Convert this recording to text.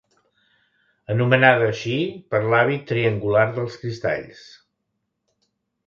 Anomenada així per l’hàbit triangular dels cristalls.